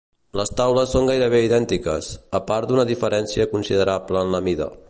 Les taules són gairebé idèntiques, a part d'una diferència considerable en la mida.